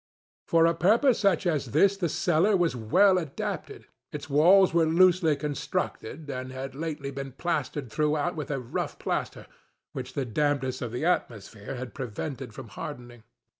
For a purpose such as this the cellar was well adapted. Its walls were loosely constructed, and had lately been plastered throughout with a rough plaster, which the dampness of the atmosphere had prevented from hardening.